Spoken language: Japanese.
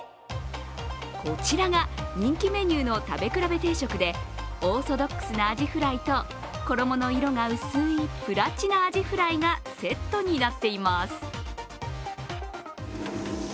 こちらが人気メニューの食べ比べ定食でオーソドックスなアジフライと衣の色が薄いプラチナアジフライがセットになっています。